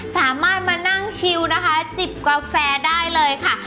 สามารถมานั่งชิวนะคะจิบกาแฟได้เลยค่ะ